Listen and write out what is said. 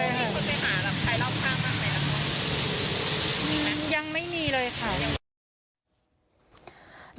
ยังไม่มีเลยค่ะ